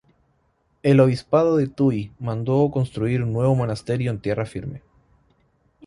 El obispado de Tuy mandó construir un nuevo Monasterio en tierra firme.